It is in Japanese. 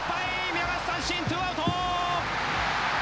見逃し三振ツーアウト！